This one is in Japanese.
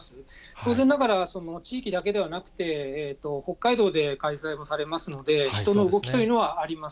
当然ながら、地域だけではなくて、北海道で開催もされますので、人の動きというのはあります。